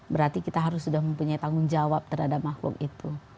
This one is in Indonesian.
berarti kita harus sudah mempunyai tanggung jawab terhadap makhluk itu